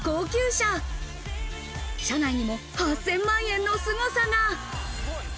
車内にも８０００万円のすごさが。